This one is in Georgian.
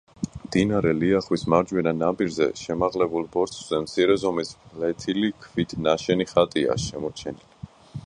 მდინარე ლიახვის მარჯვენა ნაპირზე, შემაღლებულ ბორცვზე მცირე ზომის ფლეთილი ქვით ნაშენი ხატია შემორჩენილი.